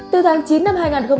từ tháng chín năm hai nghìn hai mươi